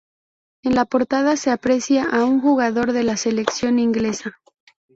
En la portada se aprecia a un jugador de la selección inglesa.